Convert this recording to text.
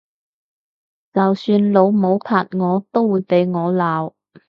就算老母拍我都會俾我鬧！